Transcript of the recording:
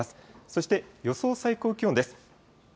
そして、予想最高気温です。